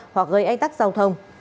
hoặc gây ánh tắt giao thông